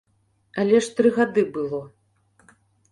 Але ж тры гады было.